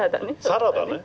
サラダね。